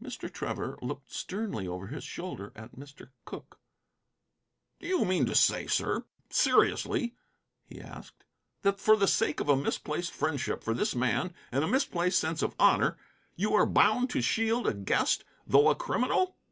Mr. Trevor looked sternly over his shoulder at Mr. Cooke. "Do you mean to say, sir, seriously," he asked, "that, for the sake of a misplaced friendship for this man, and a misplaced sense of honor, you are bound to shield a guest, though a criminal?